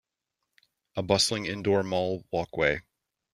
A bustling indoor mall walkway.